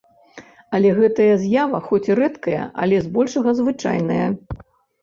Але гэтая з'ява хоць і рэдкая, але збольшага звычайная.